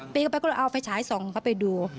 ไปกันไปก็เอาไฟฉายส่องเขาไปดู